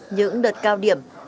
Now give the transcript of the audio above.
những đợt cao điểm